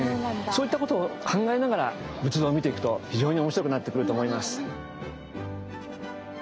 そういったことを考えながら仏像を見ていくと非常に面白くなってくると思います。